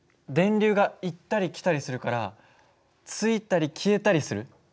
電流が行ったり来たりするからついたり消えたりする？